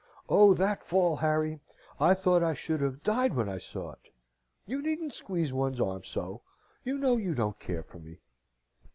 "Oh, that fall, Harry! I thought I should have died when I saw it! You needn't squeeze one's arm so. You know you don't care for me?"